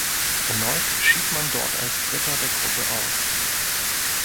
Erneut schied man dort als Dritter der Gruppe aus.